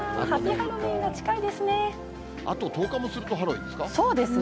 あと１０日もするとハロウィそうですね。